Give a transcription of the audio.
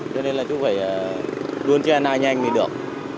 cho nên là chú phải đuôn trên ai nhanh thì được